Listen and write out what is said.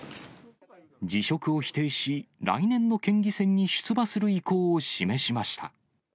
辞職を否定し、来年の県議選に出馬する意向を示しました。